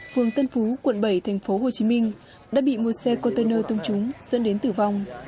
phường tân phú quận bảy thành phố hồ chí minh đã bị một xe container tông trúng dẫn đến tử vong